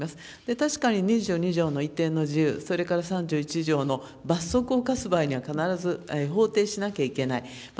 確かに２２条の一定の自由、それから３１条の罰則を科す場合には、必ず法定しなければいけない。